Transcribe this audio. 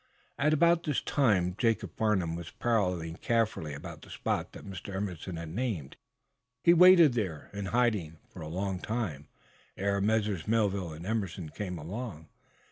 At about this time Jacob Farnum was prowling carefully about the spot that Mr. Emerson had named. He waited there, in hiding, for a long time, ere Messrs. Melville and Emerson came along.